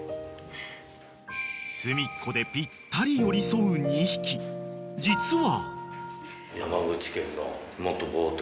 ［隅っこでぴったり寄り添う２匹実は］